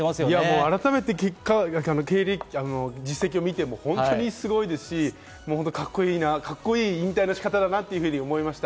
改めて実績を見ても本当にすごいですし、カッコいい引退の仕方だなと思いました。